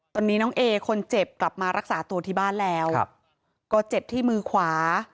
ตอนนี้น้องเอคนเจ็บกลับมารักษาตัวที่บ้านแล้วก็เจ็บที่มือขวา